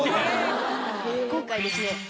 今回ですね